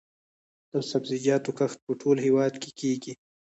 د سبزیجاتو کښت په ټول هیواد کې کیږي